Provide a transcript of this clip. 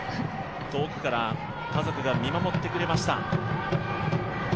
遠くから家族が見守ってくれました。